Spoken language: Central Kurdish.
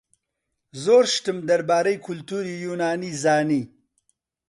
زۆر شتم دەربارەی کولتووری یۆنانی زانی.